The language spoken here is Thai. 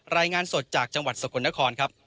รายงานสดจากจังหวัดสกลนครครับ